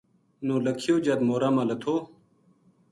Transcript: نولکھیو جد مورا ما لتھو